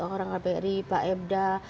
orang kbri pak ebda